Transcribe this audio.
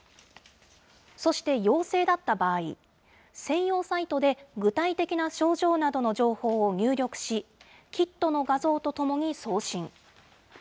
そして、陽性だった場合、専用サイトで具体的な症状などの情報を入力し、キットの画像とともに送信。